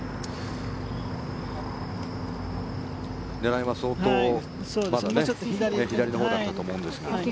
狙いは相当まだ左のほうだったと思うんですが。